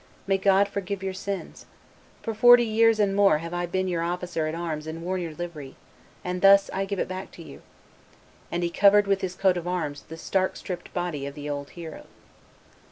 May God forgive your sins! For forty years and more I have been your officer at arms and worn your livery, and thus I give it back to you!" And he covered with his coat of arms the stark stripped body of the old hero.